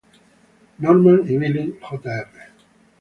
Norman y Billy Jr.